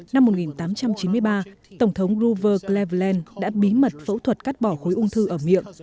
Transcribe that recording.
năm một nghìn tám trăm chín mươi ba tổng thống grover cleveland đã bí mật phẫu thuật cắt bỏ khối ung thư ở miệng